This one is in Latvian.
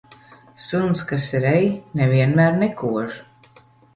Suns, kas rej, ne vienmēr nekož.